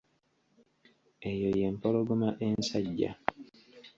Eyo y'empologoma ensajja.